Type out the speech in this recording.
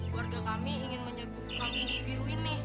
warga kami ingin menyegup kampung biru ini